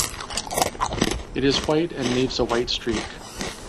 It is white and leaves a white streak.